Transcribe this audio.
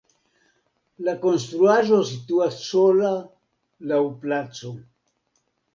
La konstruaĵo situas sola laŭ placo.